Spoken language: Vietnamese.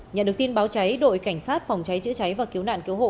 nhận được tin báo cháy đội cảnh sát phòng cháy chữa cháy và cứu nạn cứu hộ